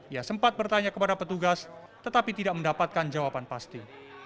ia sempat bertanya kepada petugas tetapi tidak mendapatkan jawaban pasti